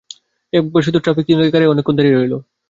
এক বার শুধু ট্রাফিক সিগনালে গাড়ি অনেকক্ষণ দাঁড়িয়ে রইল।